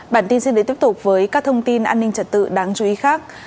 bản tin xin được tiếp tục với các thông tin an ninh trật tự đáng chú ý khác